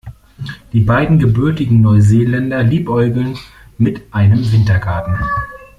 Die beiden gebürtigen Neuseeländer liebäugeln mit einem Wintergarten.